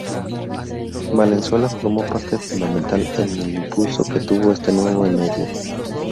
Valenzuela formó parte fundamental en el impulso que tuvo este nuevo medio.